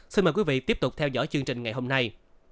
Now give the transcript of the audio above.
xin mời quý vị tiếp tục theo dõi chương trình ngày hôm nay